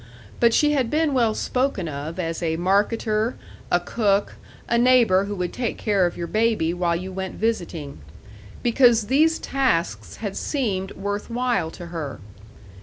But she had been well spoken of as a marketer, a cook, a neighbor who would take care of your baby while you went visiting because these tasks had seemed worth while to her.